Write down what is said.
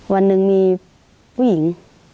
วันหนึ่งมีผู้หญิง